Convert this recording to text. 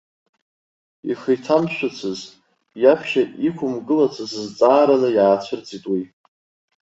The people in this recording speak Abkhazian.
Ихы иҭамшәацыз, иаԥхьа иқәымгылацыз зҵаараны иаацәырҵит уи.